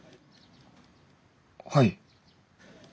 はい。